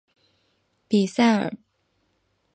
比塞尔。